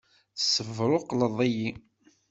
Tessebṛuqleḍ-iyi!